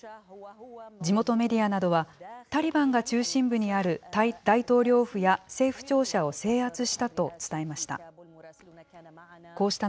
地元メディアなどは、タリバンが中心部にある大統領府や政府庁舎を制圧したと伝えました。